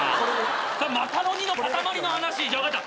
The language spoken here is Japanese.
それマカロニのかたまりの話！じゃあ分かった。